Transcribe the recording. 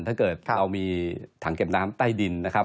ถ้าเกิดเรามีถังเก็บน้ำใต้ดินนะครับ